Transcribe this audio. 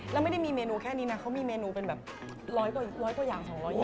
แล้วไม่ได้มีเมนูแค่นี้นะเขามีเมนูเป็นแบบ๑๐๐ตัวอย่าง๒๐๐อย่าง